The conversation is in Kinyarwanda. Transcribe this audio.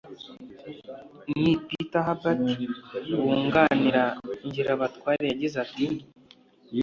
Me Peter Herbert wunganira Ngirabatware yagize ati